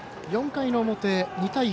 ４回の表、２対１。